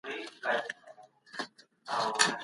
هغه څوک چې خپله غذا کنټرولوي، تل هوسا پاتې کیږي.